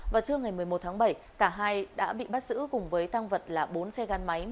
vào trưa ngày một mươi một tháng bảy cả hai đã bị bắt giữ cùng với tăng vật là bốn xe gắn máy